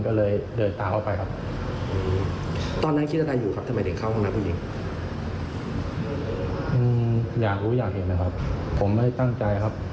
ก็เลยเดินตามเข้าไปครับ